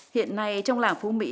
hiện nay trong làng phú mỹ